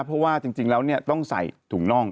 เพราะว่าจริงแล้วต้องใส่ถุงน่อง